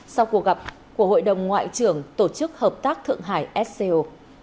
sau cuộc gặp của hội đồng ngoại trưởng tổ chức hợp tác thượng hải sco